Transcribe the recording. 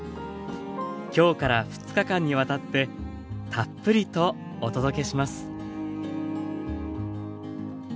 今日から２日間にわたってたっぷりとお届けします。